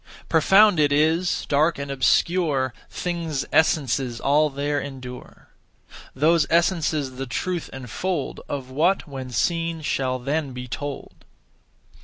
Profound it is, dark and obscure; Things' essences all there endure. Those essences the truth enfold Of what, when seen, shall then be told.